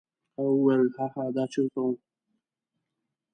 هغه وویل: هاها دا چیرته و؟